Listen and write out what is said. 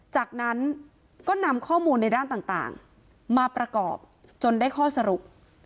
จากนั้นก็นำข้อมูลในด้านต่างมาประกอบจนได้ข้อสรุป